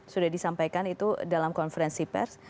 sudah disampaikan itu dalam konferensi pers